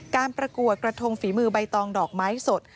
ประกวดกระทงฝีมือใบตองดอกไม้สด